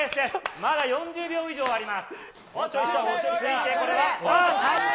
まだ４０秒以上あります。